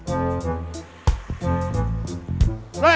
ada yang mau makan kue